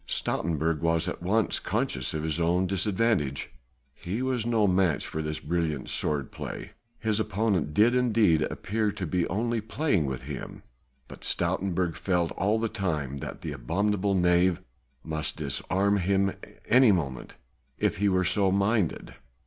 Stoutenburg was at once conscious of his own disadvantage. He was no match for this brilliant sword play; his opponent did indeed appear to be only playing with him, but Stoutenburg felt all the time that the abominable knave might disarm him at any moment if he were so minded.